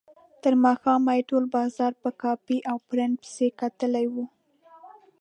تر ماښامه یې ټول بازار په کاپي او پرنټ پسې کتلی و.